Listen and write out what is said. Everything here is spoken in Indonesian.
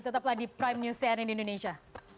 tetap lagi di prime news cnn indonesia